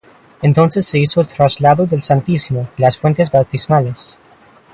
Entonces se hizo el traslado del Santísimo y las fuentes bautismales.